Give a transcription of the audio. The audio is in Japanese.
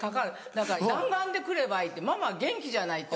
「だから弾丸で来ればいいママは元気じゃない」って。